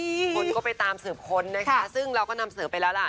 คุณก็ไปตามเสิร์ฟคนนะคะซึ่งเราก็นำเสิร์ฟไปแล้วล่ะ